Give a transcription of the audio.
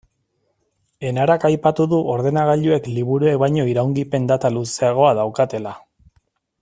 Enarak aipatu du ordenagailuek liburuek baino iraungipen data luzeagoa daukatela.